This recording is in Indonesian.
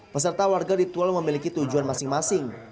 peserta warga ritual memiliki tujuan masing masing